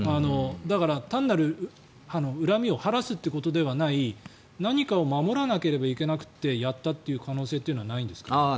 だから、単なる、恨みを晴らすっていうことではない何かを守らなければいけなくてやったという可能性はないんですか？